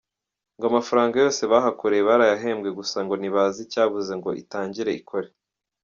Ngo amafaranga yose bahakoreye barayahembwe gusa ngo ntibazi icyabuze ko itangire ikore.